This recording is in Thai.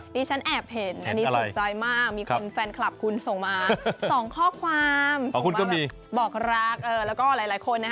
ฉันแอบเห็นอันนี้ถูกใจมากมีแฟนคลับคุณส่งมา๒ข้อความส่งมาแบบบอกรักแล้วก็หลายคนนะ